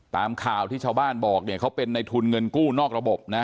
ตามข่าวที่ชาวบ้านบอกเนี่ยเขาเป็นในทุนเงินกู้นอกระบบนะ